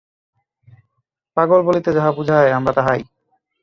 পাগল বলিতে যাহা বুঝায়, আমরা তাহাই।